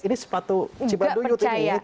ini sepatu cibaduyut ini